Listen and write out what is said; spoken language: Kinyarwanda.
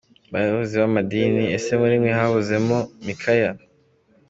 Bayobozi b’amadini, ese muri mwe habuzemo Mikaya?